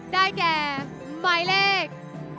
ได้แก่ไหมเลก